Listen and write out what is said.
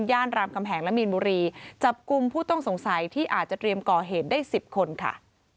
รามคำแหงและมีนบุรีจับกลุ่มผู้ต้องสงสัยที่อาจจะเตรียมก่อเหตุได้๑๐คนค่ะ